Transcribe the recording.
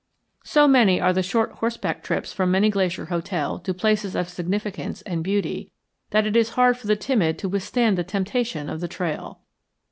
So many are the short horseback trips from Many Glacier Hotel to places of significance and beauty that it is hard for the timid to withstand the temptation of the trail.